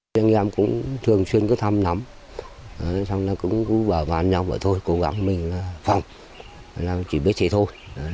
chúng em cũng thường xuyên thăm nắm xong rồi cũng bảo vào nhau bảo thôi cố gắng mình là phòng chỉ biết thế thôi